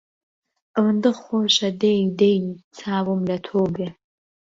ئەوەندە خۆشە دەی دەی چاوم لە تۆ بێ